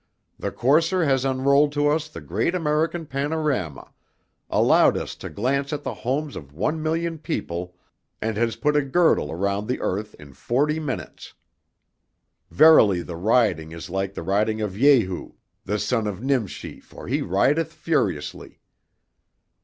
The courser has unrolled to us the great American panorama, allowed us to glance at the homes of one million people, and has put a girdle around the earth in forty minutes. Verily the riding is like the riding of Jehu, the son of Nimshi for he rideth furiously.